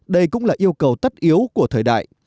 đây cũng là yêu cầu tất yếu của thời đại